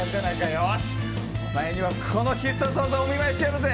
よし、お前にはこの必殺技をお見舞いしてやるぜ！